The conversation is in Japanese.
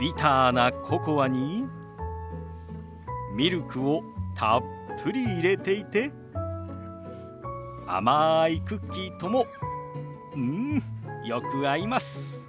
ビターなココアにミルクをたっぷり入れていて甘いクッキーともうんよく合います。